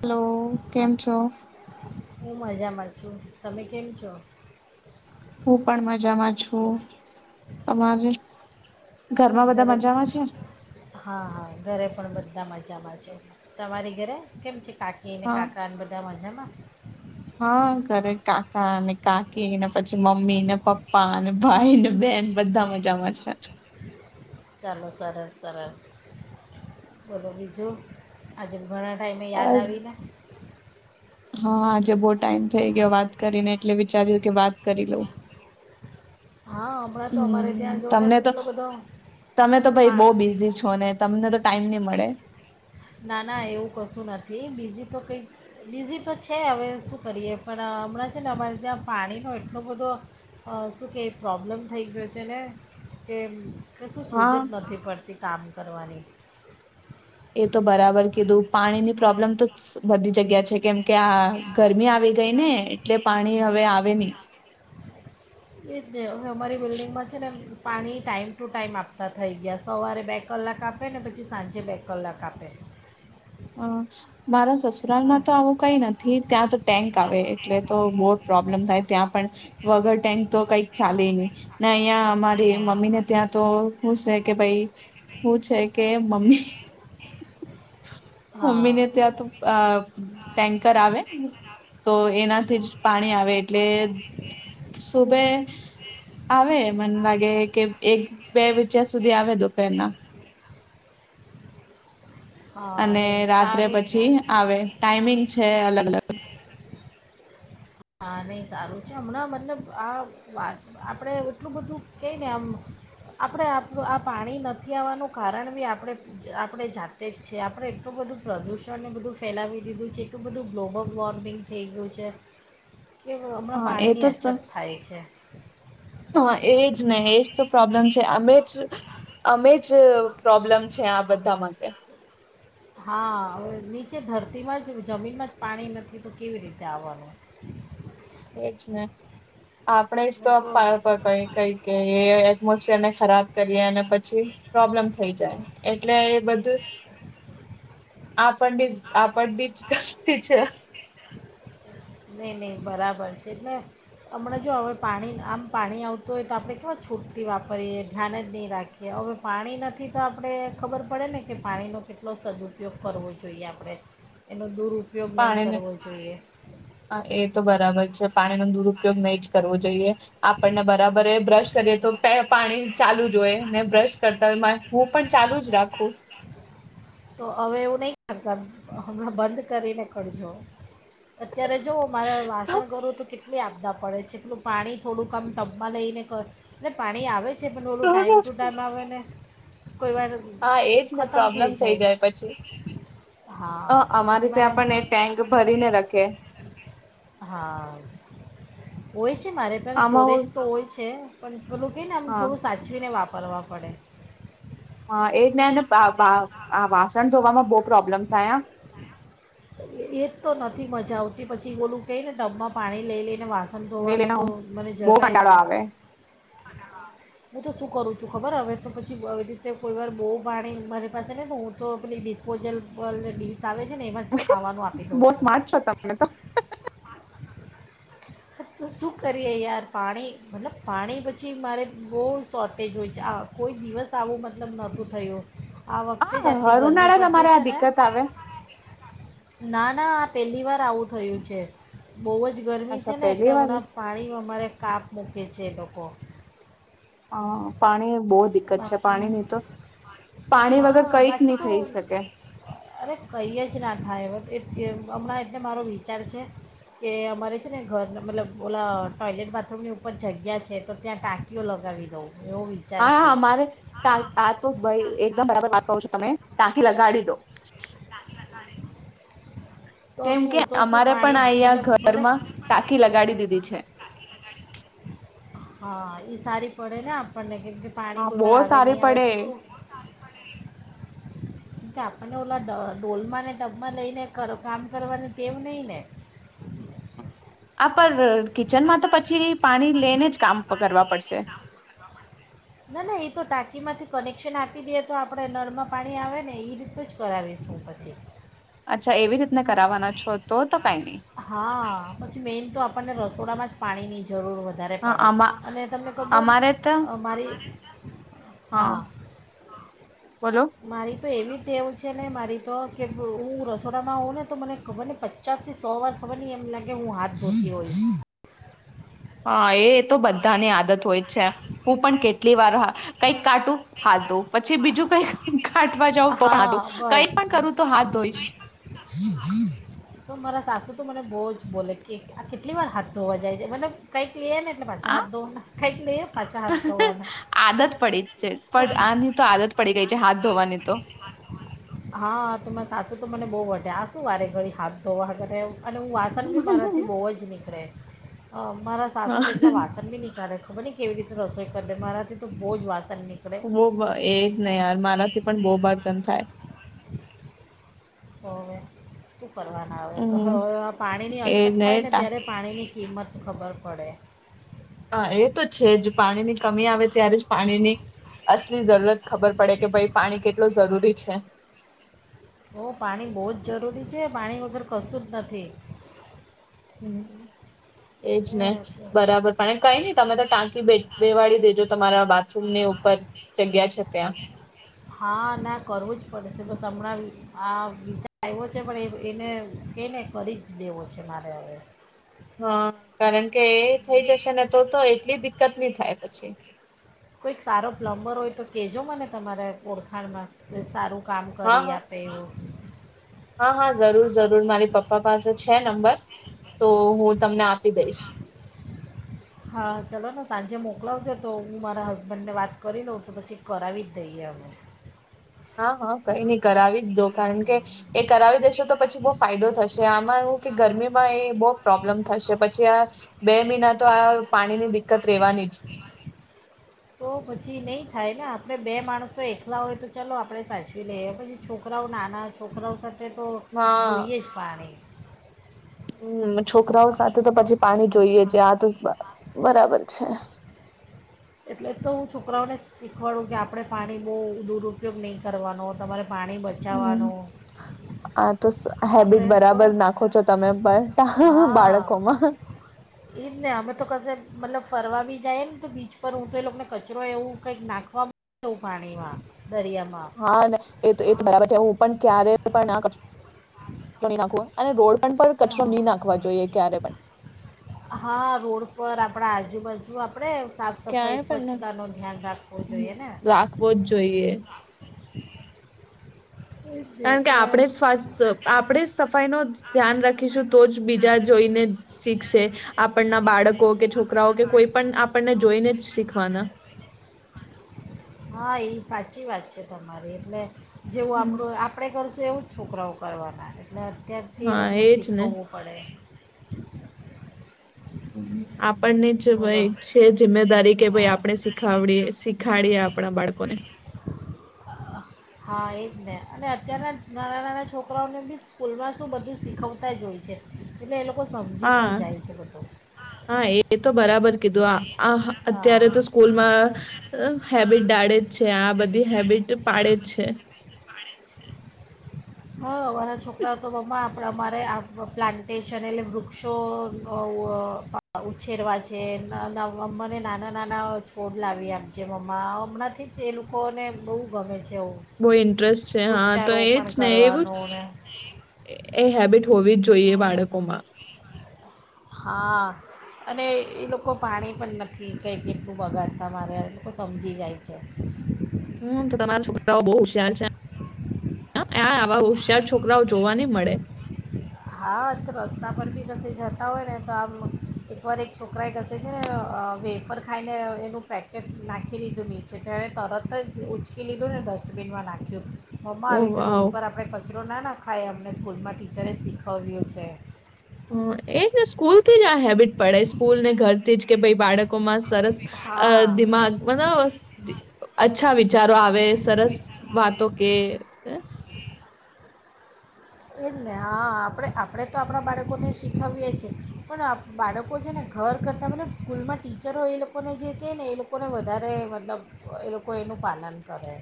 Hello કેમ છો બું મજામાં છું તમે કેમ છો હું પણ મજામાં છું તમારે ઘરમાં બધા ઘરે મજામાં છે હા હા ઘરે પણ બધામાં તમા ઘરે કેમ? કાકી અને હા કાકાને બધા મજામાં [inaudible] હા ઘરે કાકા કાકી ને પછી મમ્મી ને પપ્પા ભાઈ ને બેન બધા મજામાં છે. ચાલો સરસ સરસ બોલો બીજું આજ ઘણા ટાઈમે યાદ બસ આવીને. હા, આજે બહુ ટાઈમ થઈ ગયો વાત કરીને એટલે વિચાર્યું કે વાત કરી લઉં. હા હમણાં તો અમારે હમ ત્યાં જુઓ ને તમને તો એટલો બધો તમે તો ભાઈ પા બહ બિઝી છો ને તમને તો ટાઈમ નહી મળે ના ના, એવું કશું નથી બીઝી તો કંઈક બીઝી તો છે, હવે શું કરીએ? પણ હમણાં છે ને અમારે ત્યાં પાણીનો એટલો બધો શું કહે પ્રોબ્લેમ થઈ ગયો છે, ને કે કશું સૂઝ હા જ.. નથી પડતી કામ.. કરવાની એ તો બરાબર કીધું પાણી ની પ્રોબ્લેમ તો [unintelligible] બધી જગ્યા છ કેમકે, આ ગરમી આવી ગઈ ને એટલે પાણી હવે આવે નહીં એ [unintelligible] અમારી બિલ્ડિંગમાં છે ને.. પાણી ટાઈમ ટુ ટાઈમ આપતા થઈ ગયા સવારે બે કલાક આપે ને પછી સાંજે બે કલાક આપે હ.. મારા.. સસુરાલ માં તો આવું કઈ નથી ત્યાં તો.. [unintelligible] આવે.. એટલે.. તો બહુ પ્રોબ્લેમ થાય. ત્યાં પણ, વગર ટેન્ક તો કઈક ચાલે નહી.. ત્યાં, અમારી હા મમ્મી ને ત્યાં તો [unintelligible] છે કે ભાઈ શું છે? કે મમ્મી... હા મમ્મીને ત્યાં, તો ટેન્કર આવે તો એનાથી જ પાણી આવે એટલે સુભે આવે મને લાગે કે એક બે વાગ્યા સુધી આવે દુપરના હા અને નહીં રાત્રે સારું છે પછી આવે ટાઈમિંગ છે, અલગ અલગ હા.. નહીં સારું છે. હમણાં મતલબ આ વાત આપણે એટલું બધું કહીએ ને આમ આપણે આ પાણી નથી આવવાનું કારણ બી આપણે આપણે જાત.. તે જ છે, આપણે એટલું બધું પ્રદૂષણને બધું ફેલાવી દીધું છે, એટલું બધું ગ્લોબલ વોર્મિંગ થઈ ગયું છે [unintelligible] હમણાં હા, એ પાણીની તો અછત ત- થાય છે. હા.. એજ.. ને એ.. પ્રોબ્લેમ છે અમે જ, અમે જ પ્રોબ્લેમ છે આ બધા માટે. હા.. હવે.. નીચે ધરતીમાં જ જમીનમાં જ પાણી નથી તો કેવી રીતે આવવાનું? એજ ને.. આપણે જ [unintelligible] તો કઈ કે એ એટમોસ્ફીયર ને ખરાબ કરીએ અને પછી પ્રોબ્લેમ થઈ જાય એટલે એ બધું.. આપણની જ આપણની જ કષ્ટી છે. ‌ નહીં [inaudible] છે એટલે હમણાં જો હવે.. પાણી.. આમ, પાણી આવતું હોય તો આપણે કેવા છૂટથી વાપરીએ ધ્યાન જ નહીં રાખીએ હવે, પાણી નથી તો આપણે ખબર પડે ને કે પાણીનો કેટલો સદ્ઉપયોગ કરવો જોઈએ? આપણે એનો દૂર... પાણીને.. [inaudible] એ તો બરાબર છે. પાણીનો દુરપયોગ નહી જ કરવો જોઈએ. આપણને બરાબર બ્રશ કરીએ તો પણ પાણી ચાલુ જ હોય ને બ્રશ કરતા હોય હું પણ ચાલુ જ રાખું. હ [unintelligible] હમણા બંધ કરીને કરજો. અત્યારે જોઓ મારે વાસણ કરવું તો કે કેટલી આપદા પડે છે? એટલું પાણી... થોડું કામ ટબમાં લઈને કર ટ પાણી આવે જ છે પણ ઓલું ટાાઈમ તો ટુ ટાઈમ આવે ને કોઈ વાર હા એજ ને પ્રોબ્લેમ થઈ જાય પછી, અ હા તો પછી મારે અમારીીતેણ એ ટેન્ક ભરીને રાખે. હા હોય છે મા સ્ટોરેજ તો હોય છે પણ પોલું કહી ને આમ હા થોડું સાચવીને વાપર. વા પડે. હા એ જ્ઞાન વાસણ ધોવામાં બહ પ્રોબ્લેમ થયા. એ જ તો નથી મજા પછી બોલું કે ને ટબ માં પાણી લઈ લે. એલે વાસણ ધોવાનું લઈને તો હું મને બહુ જરાય કંટાળો નથી. આવે હું તો શું કરું છું ખબર હવે તો પછી રીતે કોઈ વાર બહુ પાણી મારી પાસે ને હું તો પેલી ડિસ્પોઝેબલ ડીશ આવે છે ને એમ જ ખાવાનું આપી દઉં બહુ છું સ્માર્ટ છો તમે તો તો શું કરીએ યાર પાણી, મતલબ પાણી પછી મારે બહુ શોર્ટેજ હોય છે આ કોઈ દિવસ આવું મતલબ નહોતું થયું આ વખતે જ આટલી હર ગરમી ઉનાળા તમારે પડતી છે આ ને દિક્કત આવે ના ના આ પહેલી વાર આવું થયું છે બહુ જ ગરમી અચ્છા છે ને એટલે પહેલી વાર હમણાં પાણી અમારે કાપ મૂક [unintelligible] લોકો હા, પાણી બહુ દિક્કત છે બાકી પાણીની તો પાણી વગર હા, કઈક બાકી નહી તો થઈ શકે અરે કઈ જ ના થાય કે હમણાં એટલે મારો વિચાર છે કે અમારે છે ને ઘર મતલબ ઓલા ટોયલેટ બાથરૂમની ઉપર જગ્યા છે, તો ત્યાં ટાંકીઓ લગાવી દઉં એવો વિચાર હા હા છે અમારે આ, તો ભાઈ એકદમ બરાબર વાત પર કરો છો તમે ટાંકી લગાડી દો ટાંકી લગાડી [unintelligible] કેમ કે અમારે પણ અહીંયા ભલે ઘરમાં ટાંકી લગાડી દીધી છે હા, ઈ સારી પડે ને આપણને [unintelligible] હા પાણી કોઈ બહુ વાર આવે સારી ની આવે પડે તો શું આપને ઓલા ડર ઢોલમાં ને ટબમાં લઈને કામ કરવાનું તેમ નહીં ને. આપ પર કિચનમાં તો પછી પાણી લઈને જ કામ કરવા પડશે. ટીમાંથી કનેક્શન આપી દઈએ તો આપણે નળમાં પાણી આવે ને એ રીતે જ કરાવીશું પછી. અચ્છા એવી રીતને કરાવવાના છો તો તો કઈ નહી. હા પછી મેઇન તો આપણને રસોડામાં જ પાણી ની જરૂર વધારે હા પડે, આમાં અને તને ખબર અમારે તો મારી હા બોલો. મારી તો એવી ટેવું છે ને મારી તો કે હું રસોડામાં હોઉં ને તો મને ખબર ને પચાસ થી સો વાર ખબર નહી એમ લાગે હું હાથ ધોતી હોય. હમ. [inaudible] હા એ તો બધાની આદત હોય જ છે, હું પણ કેટલી વાર કંઈક કાટું હાથ ધોઉં પછી બીજું કઈક કાટવા જાઉં તો હા કઈક બસ પણ કરું તો હાથ ધોઈશ. તો મારા સાસુ તો મને બહુ જ બોલે કે આ કેટલી વાર હાથ ધોવા જાય છે મતબ કઈક લય ને. એટલે પાછા આ હાથ ધોવાના. ખાઇટ લઈએ. પાછા હાથ ધોવાના આદત પડી છે તો આની તો આદત પડી ગઈ છે હાથ ધોવાની તો. બોવ વઢે આશું વારે ઘડી હાથ ધોવા કરે એવુ. અને હું વાસણ બી મારાથી બહુ જ નીકળે. હ. તો તેટલા હા. વાસણ બી ની કરે. ખબર ને કેવી રીતે રસોઈ કરી દે મારાથી તો બહુ જ વાસ્ત બહ એજ નહી યાર મારાથી પણ બહુ બર્તન થાય. હવે. કરવાના આવે તો હમ હવે આ પાણીની અછત એજ થાય ને ટા- ત્યારે પાણીની કિંમત ખબર પડે. હા એ તો છે જ પાણી ની કમી આવે ત્યારે જ પાણીની અસલી જરૂરત ખબર પડે કે ભાઈ પાણી કેટલું જરૂરી છે. ઓ પાણી બહુ જ જરૂરી છે પાણી વગર કશું જ નથી. હમ. એજને, એ, બરાબર પણ કઈ નઈ તમે તો ટાંકી બેઠ બેવાડી દેજો તમારા બાથરૂમ ની ઉપર જગ્યા છે ત્યાં. હા ના કરવું જ પડે છે બસ હમણાં આ વિચાર આવ્યો છે પણ એને કે ને કરી જ દેવો છે મારે હવે. હા કારણ કે એ થઈ જશે ને તો એટલી કત નહી થાય પછી. કોઈક સારો પ્લમ્બર હોય તો કેજો મને તમારે ઓળખાણમાં કોઈ સારો કામ હા કરી હા આપે હા, હા, જરૂર જરૂર મારી પપ્પા પાસે છે, નંબર તો હું તમને આપી દઈશ હા, ચલો ને સાંજે મોકલાવજો તો હું મારા હસબન્ડ ને વાત કરી દઉં તો પછી કરાવી જ દઈએ અમે હા, હા, કઈ નઈ કરાવી જ દો કારણ કે હા એ કરાવી દેશો તો પછી બહુ ફાયદો થશે આમાં એવું કે ગરમીમાં એ બહુ પ્રોબ્લેમ થશે પછી આ બે મહિના તો આ પાણીની દિક્કત રહેેવાની જ તો પછી નહીં થાય ને આપણે બે માણસો એકલા હોય તો ચાલો આપણે સાચવી લઈએ પછી છોકરાઓ નાના છોકરાઓ સાથે એ તો, હા જોઈએ જ પાણી હમ, છોકરાઓ સાથે તો પછી પાણી જોઈએ છે, આ તો બરાબર છે એટલે તો હું છોકરાઓને શીખવાડું કે આપણે પાણી બહુ દુરુપયોગ નહીં કરવાનો તમારે પાણી હમ, બચાવવાનું આ તો હેબિટ આપણે તો બરાબર નાખો છો તમે પણ હા બાળકોમાં એ જ ને અમે તો કશે મતલબ ફરવા આવી જાય ને તો બીચ પર ઊઠ એ લોકોને કચરો એવું કઈક નાખવા એવું પાણીમાં દરિયામાં હા, એ એ બરાબર છે હું પણ ક્યારે પણ ના ક નાખો અને રોડ પણ કચરો નહી નાખવા જોઈએ ક્યારે પણ હા, રોડ પર આપણા આજુબાજુ આપણે પણ સાફ સફાઈ ક્યાંય પણ સ્વચ્છતાનું ધ્યાન રાખવું હમ, જોઈએ ને રાખવો જ જોઈએ [inaudible] એ જ ને. કારણ કે, એટલે આપણે સ્વાસ્થ આપણે સફાઈ ન ધ્યાન રાખીશું તો જ બીજા જોઈને શીખશે આપણના બાળકો કે છોકરાઓ કે કોઈ પણ આપણને જોઈને જ શીખવાના હા, એ સાચી વાત છે તમારી એટલે જેવું હમ, આપણું આપણે કરશું એવું જ. છોકરાઓ કરવા ને અત્યારથી એ હા લોકોને એજ ને શીખવાડોવવું પડે [inaudible] હમ આપ, આપણને જ ભ ભલો છે જિમ્મેદારી કે ભાઈ હા આપણે શીખડી શીખાડીએ આપણા બાળકોને હા એ જ ને અને અત્યારના નાના નાના છોકરાઓને બી સ્કૂલમાં શું બધું શીખવતા જ હોય છે એટલે એ લોકો સમજી હા, પણ જાય છે બધું હા, એ તો બરાબર કીધું અત્યારે હા તો સ્કૂલમાં હેબિટ ડાળે જ છે આ બધી હેબિટ પાડે જ છે હા મારા છોકરાઓ તો આપણે અમારે આ પ્લાન્ટેશન એટલે વૃક્ષો ઉછેરવા છે, અમને નાના નાના છોડ લાવી આપજે મમ્મા હમણાંથી જ એ લોકોને બહુ ગમે છે એવું બહુ ઇન્ટરેસ્ટ છે, હા તો એજ વૃક્ષારોપણ ને એવું કરવાનું ને એ હેબિટ હોવી જોઈએ હમ, બાળકોમાં હા, અને એ લોકો પાણી પણ નથી કંઈ કેટલું બગાડતા મારે એ લોકો સમજી જાય છે ચાલ, ચાલ આ આવા હોશયાર છોક છોકરાઓ જોવા ની મળે હા તો રસ્તા પર બી કસે જતા હોય ને તો આમ એકવાર એક છોકરાએ કસે છે ને વેફર ખાઈને એનું પેકેટ નાખી દીધું નીચે તો એણે તરત જ ઉઊંચકી લીધું ને ડસ્ટબિનમાં નાખ્યું મમ્ આવી ઓહ રીતે રોડ વાવ. પર આપે. [unintelligible] નાખ હાય અમને સ્કૂલમાં ટીચરે શીખવ્યું છે. હ એજ ને સ્કૂલ થી જ આ હેબિટ પડે સ્કૂલ ને ઘર થી જ કે ભાઈ બાળકોમાં સરસ અ હા દિમાગ [unintelligible] અચ્છા વિચારો આવે સરસ વાતો કે એ જ ને હા આપણે આપણે તો આપણાં બાળકોને શીખવીએ છીએ પણ બાળકો છે ને ઘર કરતાં મતલબ સ્કૂલમાં ટીચરો એ લોકોને જે કહે ને એ લોકોને વધારે મતલબ એ લોકો એનું પાલન કરે.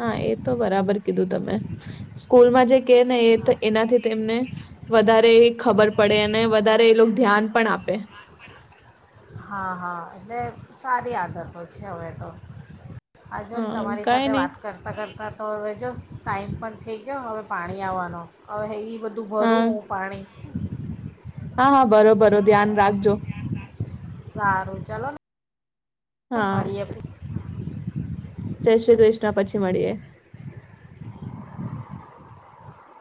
હા એ તો બરાબર કીધું તમે સ્કૂલમાં જે કે ને હા એનાથી તેમને વધારે ખબર પડે અને વધારે એ લોક ધ્યાન પણ આપે. હા હા એટલે સારી આદતો છે હવે તો આ જોને હા તમારી કઈ સાથે નહી વાત કરતાં કરતાં તો હવે જો ટાઈમ પણ થઈ ગયો હવે પાણી આવવાનો હવે ઈ બધું ભરું હા હું પાણી [inaudible] હા હા ભરોભરો ધ્યાન રાખજો. સારું ચાલો ને હા મળીએ આપડે. જય શ્રી કૃષ્ણ પછી મળીએ.